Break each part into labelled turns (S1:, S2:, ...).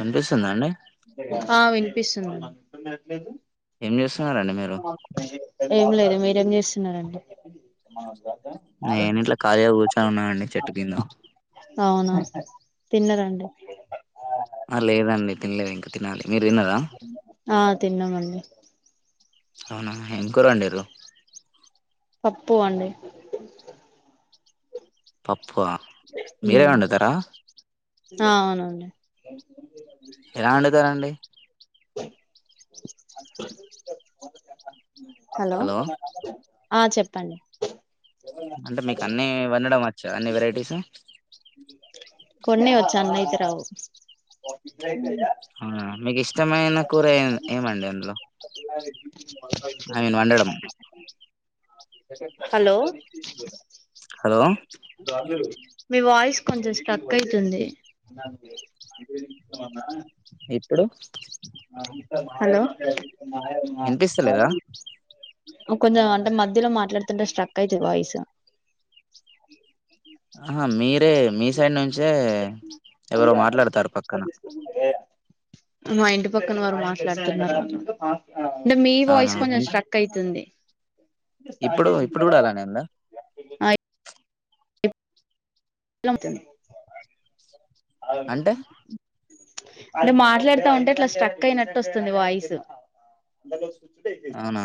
S1: అనిపిస్తుందా అండి
S2: పిస్తుదు
S1: ఎ
S2: ఏం లేదు మీరేం చేస్తున్నారండి
S1: నేను ఇట్లో ఖాళీగా కూర్చొని ఉన్నానండి చెట్టు కింద
S2: తిన్నారంండి
S1: ఆ లేదండి తినలేదు ఇంకా తినాలి మీరు తిన్నారా
S2: ఆ తిన్నామండి
S1: అవునా ఏం కూర బండారు
S2: పప్పు అండి
S1: పప్పు ప్పు మీరే
S2: ఉమ్
S1: వండుతారా
S2: ఆ అవునండి
S1: ఎలా వండుతారంండి
S2: [unintelligible] హలో ఆ చెప్పండి
S1: అంటే మీకు అన్నీ వండడం వ అన్ని వెరైటీస్ా
S2: కొన్నె వచ్చు అన్ని అయితే రావు
S1: అవున మీకు ఇష్ట ఇష్టమైన కూర ఏమండి అందులో ఐ మీన్ వండడం
S2: [unintelligible] హలో
S1: హలో
S2: మీ వయిస్ కొంచం స్టక్ అయితుంది
S1: ఇప్పుడు
S2: హలో
S1: వినిపిస్తలేదా
S2: కొంచం అంటే మధ్యలో మాట్లాడుతుంటే స్ట్రక్ అయితుంది వాయిస్
S1: ఆహా మీరే మీ సైడ్ నుంచే ఎవరో మాట్లాడతారు
S2: [unintelligible]
S1: పక్కన
S2: మా ఇంటి పక్కన వారు మాట్లాడుతున్నారు అంటే మీ
S1: అవునా
S2: వాయిస్ కొంచెం
S1: ఇన్
S2: స్ట్రక్ అయితుంది
S1: ఇప్పుడు ఇప్పుడు కూడా అలానే ఉందా
S2: [unintelligible]
S1: అంటే
S2: [unintelligible] అంటే మాట్లాడుతా ఉంటే అట్లా స్ట్రక్ అయినట్టు వస్తుంది వాయిస్
S1: అవునా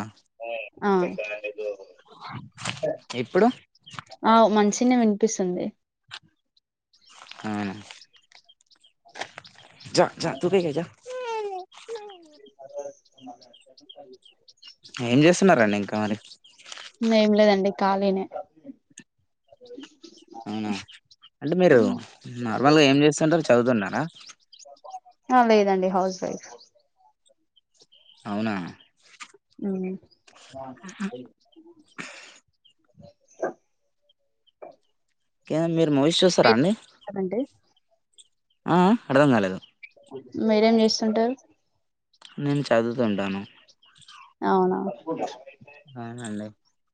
S2: అ
S1: ఇప్పుడు
S2: ఆ మంచినే వినిపిస్తుంది
S1: ఉమ్ జ తూ క క
S2: [unintelligible]
S1: ఏం చేస్తున్నడి ఇంకా మరి
S2: కాాలనే
S1: అవునా అంటే మీరు నార్మల్గా ఏం చేస్తుంటారు చదుతున్నారా
S2: లేదండి హౌస్ వైఫ్
S1: అవునా
S2: అవు [unintelligible]
S1: ఏ మీరు మోహేష్ చూస్తారా అండి
S2: అదండి
S1: ఆ అర్థం కాలేదు
S2: మీరేం చేస్తుంటారు
S1: నేను చదువుతుంటాను
S2: అవునా
S1: అవునండి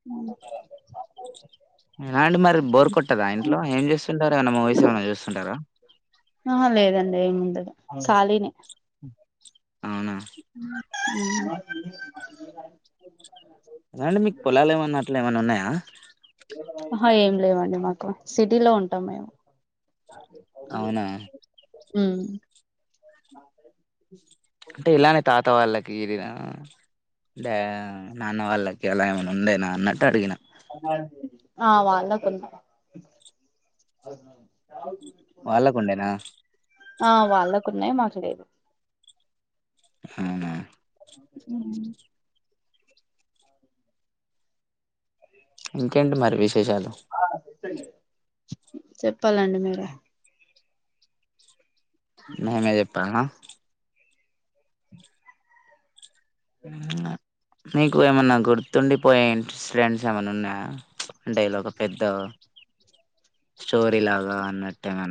S2: అ
S1: ఎలా అండి మరి బోర్ కొట్టదా ఇంట్లో ఏం చూస్తుంటారు ఏమైన్నా మూవీస్ ఏమన్నా చూస్తుంటారా
S2: ఆ లేదండి ఏముండదు కలిన్
S1: అవునా
S2: ఉమ్ అ
S1: అదండి మీకు పొలాలు ఏమన్నా అట్లా ఏమన్నా ఉన్నాయా
S2: ఆ ఏం లేవండి మాకు సిటీలో ఉంటాం మేము అవును
S1: అవునా
S2: ఉమ్
S1: అంటే ఇలానే తాత వాళ్ళకి గరిన బె ఆ నాన్న వాళ్ళకి ఎలా ఏమైనా ఉండేనా అన్నట్టు అడిగిన
S2: ఆ వాలోకాలు
S1: వాళ్ళకుండేనా
S2: కున్నాయి మాకు లేదు
S1: అవునా
S2: ఉమ్
S1: ఇంకేంటి మరి విషయం విషాలు
S2: చెప్పాలండి మీరే
S1: మేమే చెప్పాల్నా మీీకు ఏమన్నా గుర్తుండిపోయే ఇన్సిడెన్స్ ఏమైన్నా ఉన్నా అంటే ఇలా ఒక పెద్ద స్టోరీ లాగా అన్నట్టేన్నా